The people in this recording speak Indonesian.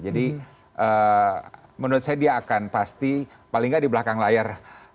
jadi menurut saya dia akan pasti paling nggak di belakang layar